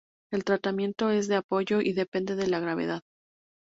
El tratamiento es de apoyo y depende de la gravedad.